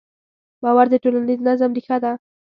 باور د ټولنیز نظم ریښه ده.